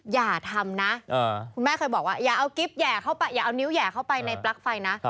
อย่าทำนะคุณแม่เคยบอกว่าอย่าเอานิ้วแห่เข้าไปในปลั๊กไฟนะ